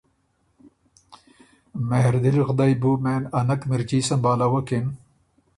مهردل غدئ بُو مېن ا نک مِرچي سمبهالَوَکِن